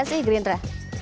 alasan pilih gerindra